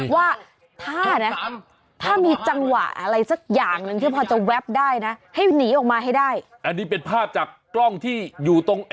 ว่าถ้ามีจังหวะอะไรสักอย่างหนึ่ง